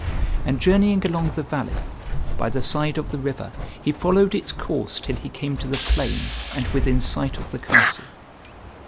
And journeying along the valley, by the side of the river, he followed its course till he came to the plain, and within sight of the castle.